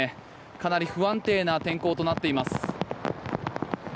かなり不安定な天候となっています。